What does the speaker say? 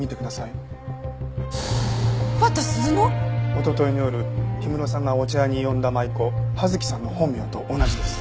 おとといの夜氷室さんがお茶屋に呼んだ舞妓葉月さんの本名と同じです。